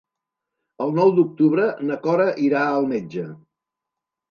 El nou d'octubre na Cora irà al metge.